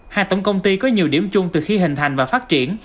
hai tổng công ty có nhiều điểm chung từ khi hình thành và phát triển